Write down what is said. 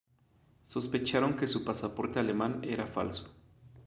Sospecharon que su pasaporte alemán era falso.